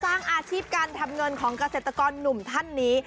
สร้างอาชีพการทำเงินของเกษตรกรหนุ่มท่านนี้